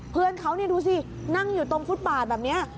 เพื่อนเขานี่ดูสินั่งอยู่ตรงฟุตบาทแบบนี้